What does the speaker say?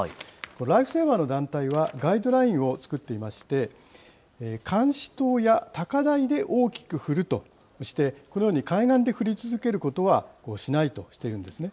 ライフセーバーの団体は、ガイドラインを作っていまして、監視塔や高台で大きく振るとして、このように海岸で振り続けることはしないとしているんですね。